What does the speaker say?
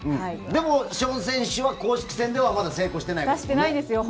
でも、ショーン選手は公式戦ではまだ成功していないんです。